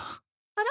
あら？